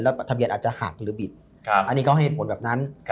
ทะเบียนอาจจะหักหรือบิดอันนี้เขาให้เหตุผลแบบนั้น